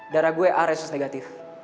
darah gue aresus negatif